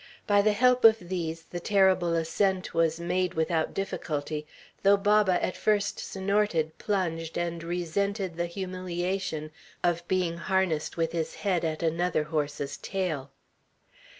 By the help of these the terrible ascent was made without difficulty, though Baba at first snorted, plunged, and resented the humiliation of being harnessed with his head at another horse's tail.